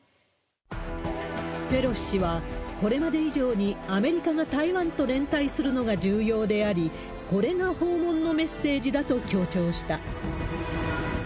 ペロシ氏は、これまで以上にアメリカが台湾と連帯するのが重要であり、これが訪問のメッセージだと強調した。